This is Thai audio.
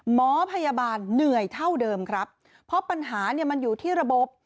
หมอพยาบาลเหนื่อยเท่าเดิมครับเพราะปัญหาเนี่ยมันอยู่ที่ระบบ